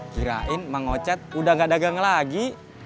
kirain mang ocat udah gak dagang lagi